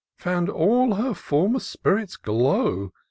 Found all her former spirits glow.